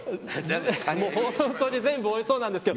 全部おいしそうなんですけど。